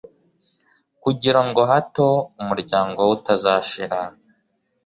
kugirango hato umuryango we utazashira,